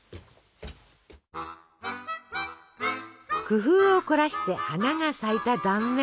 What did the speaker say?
工夫を凝らして花が咲いた断面。